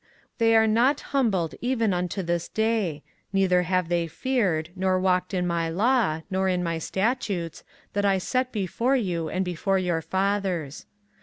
24:044:010 They are not humbled even unto this day, neither have they feared, nor walked in my law, nor in my statutes, that I set before you and before your fathers.